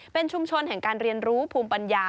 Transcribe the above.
เป็นชุมชนแห่งการเรียนรู้ภูมิปัญญา